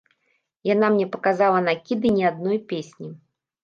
Яна мне паказала накіды не адной песні.